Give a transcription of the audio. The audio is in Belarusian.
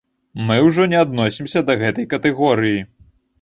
Мы ўжо не адносімся да гэтай катэгорыі.